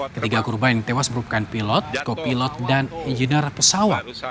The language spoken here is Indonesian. ketiga kurban yang tewas merupakan pilot skopilot dan inginir pesawat